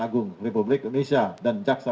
agung republik indonesia dan jaksa